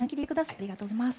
ありがとうございます。